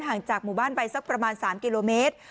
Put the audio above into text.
ห่างจากหมู่บ้านไปสักประมาณ๓กิโลเมตร